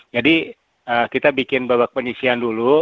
jadi kita bikin beberapa penyisian dulu